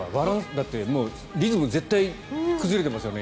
だって、リズム絶対崩れてますよね